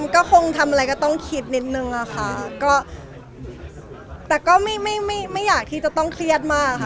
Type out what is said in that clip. ก็คงทำอะไรก็ต้องคิดนิดนึงอะค่ะก็แต่ก็ไม่ไม่อยากที่จะต้องเครียดมากค่ะ